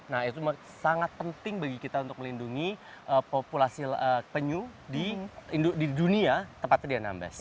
nah itu sangat penting bagi kita untuk melindungi populasi penyu di dunia tempatnya di anambas